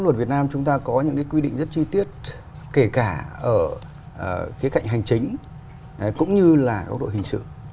luật việt nam chúng ta có những cái quy định rất chi tiết kể cả ở khía cạnh hành chính cũng như là góc độ hình sự